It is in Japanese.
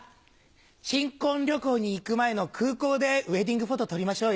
新婚旅行に行く前の空港でウエディングフォト撮りましょうよ。